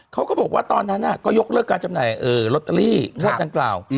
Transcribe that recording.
เขาก็บอกว่าตอนนั้นก็ยกเลิกการจำหน่ายลอตเตอรี่งวดดังกล่าว